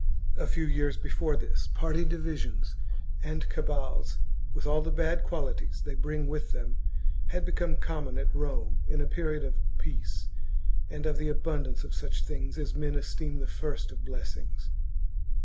A few years before this, party divisions and cabals, chap. with all the bad qualities they bring with them, had become common at Rome in a period of peace and of the abundance of such things as men esteem the first of blessings.